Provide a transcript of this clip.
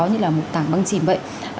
như là một tảng băng chìm vậy